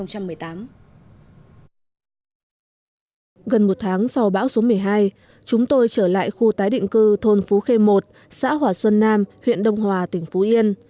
gần một tháng sau bão số một mươi hai chúng tôi trở lại khu tái định cư thôn phú khê một xã hòa xuân nam huyện đông hòa tỉnh phú yên